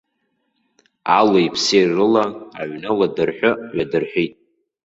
Алеи-ԥси рыла аҩны ладырҳәы-ҩадырҳәит.